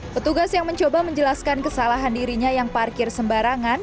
petugas yang mencoba menjelaskan kesalahan dirinya yang parkir sembarangan